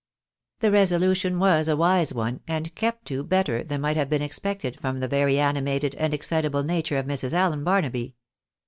The resolution was a wise one, and kept to better than might have been expected from the very animated and excitable nature of Mrs. Allen Barnaby.